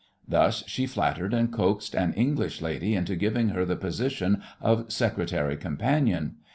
Thus she flattered and coaxed an English lady into giving her the position of secretary companion.